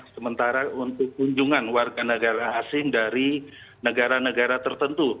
sementara untuk kunjungan warga negara asing dari negara negara tertentu